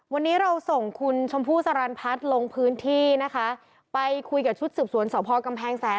วันนี้เราส่งคุณชมพู่สรรพัฒน์ลงพื้นที่นะคะไปคุยกับชุดสืบสวนสพกำแพงแสน